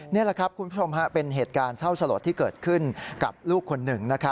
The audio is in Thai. นี่แหละครับคุณผู้ชมเป็นเหตุการณ์เศร้าสลดที่เกิดขึ้นกับลูกคนหนึ่ง